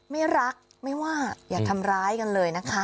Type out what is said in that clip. ไม่รักไม่ว่าอย่าทำร้ายกันเลยนะคะ